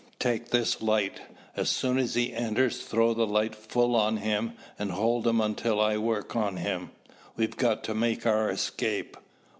Take this light. As soon as he enters throw the light full on him and hold him until I work on him. We've got to make our escape."